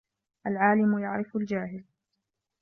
الْعَالِمُ يَعْرِفُ الْجَاهِلَ